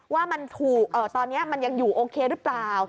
ว่ามันถูกตอนนี้มันยังอยู่โอเคหรือเปล่า